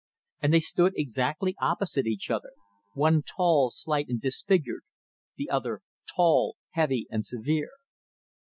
And they stood exactly opposite each other: one tall, slight and disfigured; the other tall, heavy and severe.